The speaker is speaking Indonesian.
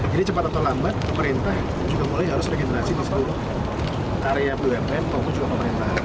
jadi cepat atau lambat pemerintah juga mulai harus regenerasi di area bumn tolong juga pemerintah